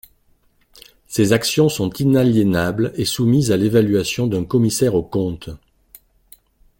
Ces actions seront inaliénables et soumises à l'évaluation d'un commissaire aux comptes.